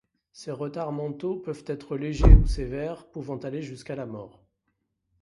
Ces retards mentaux peuvent être légers ou sévères pouvant aller jusqu’à la mort.